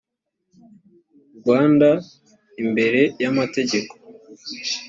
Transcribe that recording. rwanda imbere y’amategeko